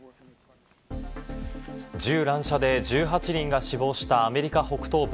銃乱射で１８人が死亡したアメリカ北東部